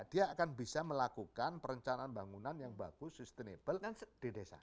dia akan bisa melakukan perencanaan bangunan yang bagus sustainable di desa